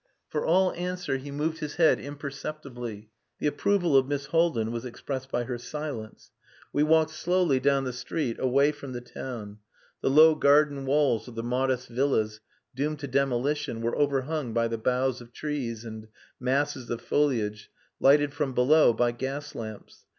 For all answer he moved his head imperceptibly. The approval of Miss Haldin was expressed by her silence. We walked slowly down the street, away from the town; the low garden walls of the modest villas doomed to demolition were overhung by the boughs of trees and masses of foliage, lighted from below by gas lamps.